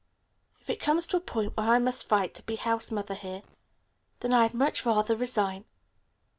If it comes to a point where I must fight to be house mother here, then I'd much rather resign.